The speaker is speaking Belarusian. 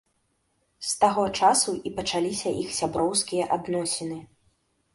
З таго часу і пачаліся іх сяброўскія адносіны.